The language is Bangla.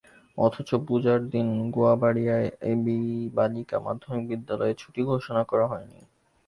অথচ পূজার দিনে গুয়াবাড়িয়া এবিবালিকা মাধ্যমিক বিদ্যালয়ে ছুটি ঘোষণা করা হয়নি।